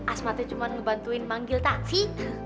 asmatnya cuma ngebantuin manggil taksi